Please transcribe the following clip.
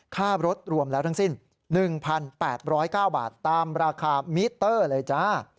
ค่ารถรวมแล้วทั้งสิ้น๑๘๐๙บาทตามราคามิเตอร์เลยจ้า